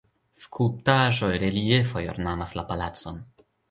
Skulptaĵoj, reliefoj ornamas la palacon.